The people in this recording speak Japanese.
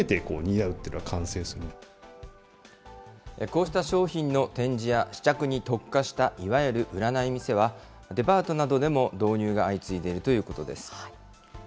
こうした商品の展示や試着に特化したいわゆる売らない店は、デパートなどでも導入が相次いでいるということです。